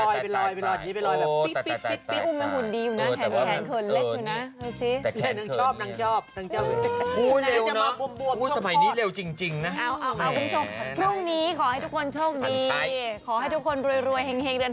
กลางแต่แววตาพี่ไม่งงเลย